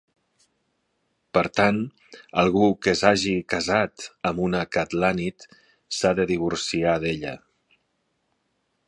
Per tant, algú que s'hagi casat amb una "katlanit" s'ha de divorciar d'ella.